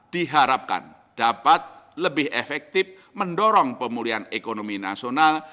diharapkan dapat lebih efektif mendorong pemulihan ekonomi nasional